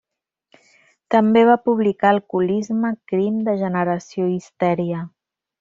També va publicar alcoholisme, crim, degeneració i histèria.